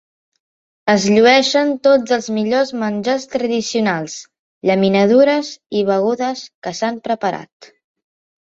Es llueixen tots els millors menjars tradicionals, llaminadures i begudes que s'han preparat.